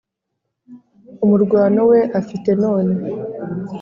Umurwano we afite none,